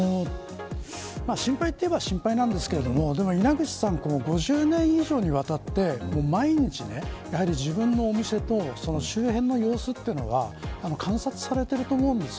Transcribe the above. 心配といえば心配ですが稲口さんは５０年以上にわたって毎日、自分のお店と周辺の様子というのは観察されていると思うんです。